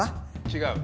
違う。